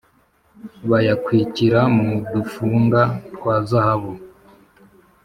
bayakwikira mu dufunga twa zahabu